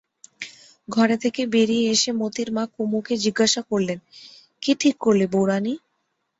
ঘরে থেকে বেরিয়ে এসে মোতির মা কুমুকে জিজ্ঞাসা করলে, কী ঠিক করলে বউরানী?